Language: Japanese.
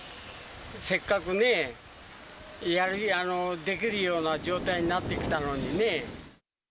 せっかくね、できるような状態になってきたのにね。